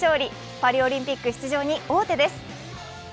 パリオリンピック出場に王手です。